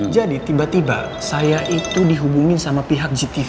jadi tiba tiba saya itu dihubungin sama pihak gtv